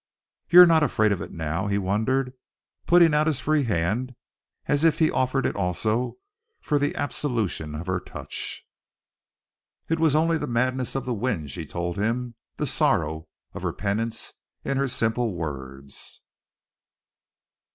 "You're not afraid of it now!" he wondered, putting out his free hand as if he offered it also for the absolution of her touch. "It was only the madness of the wind," she told him, the sorrow of her penance in her simple words.